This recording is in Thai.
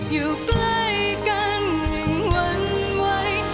อยู่ใกล้กันอย่างหวั่นไหว